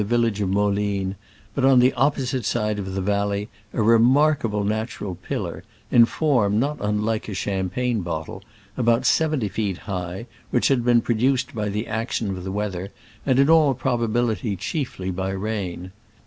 village of Molines, but on the opposite side of the valley, a remarkable natural pillar, in form not unlike a champagne bottle, about seventy feet high, which had been produced by the action of the weather, and in all probability chiefly by rain.